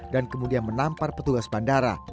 dan kemudian menampar petugas bandara